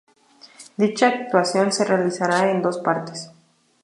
Dicha actuación se realizará en dos partes.